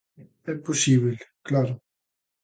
É posíbel, claro.